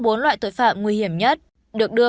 bốn loại tội phạm nguy hiểm nhất được đưa